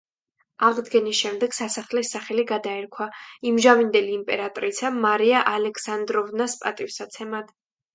აღდგენის შემდეგ სასახლეს სახელი გადაერქვა იმჟამინდელი იმპერატრიცა მარია ალექსანდროვნას პატივსაცემად.